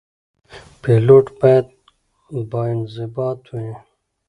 پیلوټ باید باانضباط وي.